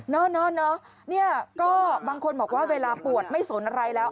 นอนเนอะเนี่ยก็บางคนบอกว่าเวลาปวดไม่สนอะไรแล้ว